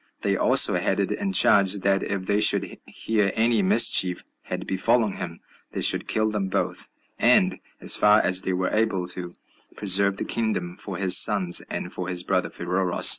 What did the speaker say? They also had it in charge, that if they should hear any mischief had befallen him, they should kill them both, and, as far as they were able, to preserve the kingdom for his sons, and for his brother Pheroras.